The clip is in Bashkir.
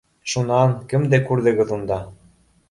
— Шунан, кемде күрҙегеҙ унда?